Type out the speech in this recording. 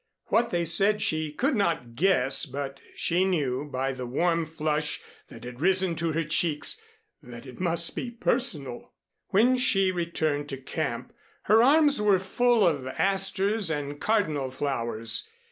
What they said she could not guess, but she knew by the warm flush that had risen to her cheeks that it must be personal. When she returned to camp her arms were full of asters and cardinal flowers.